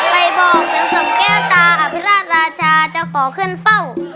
ไปบอกเจอกับแก้วตาอภิราชราชาจะขอขึ้นเฝ้า